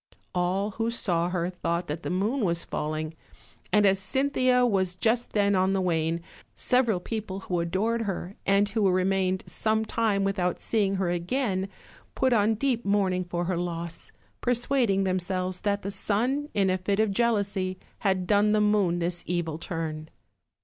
All who saw her thought that the moon was falling; and as Cynthia was just then on the wane, several people who adored her, and who remained some time without seeing her again, put on deep mourning for her loss, per suading themselves that the sun, in a fit of jealousy, had done the moon this evil turn.